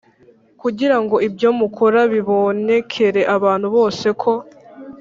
kugira ngo ibyo mukora bibonekere abantu bose ko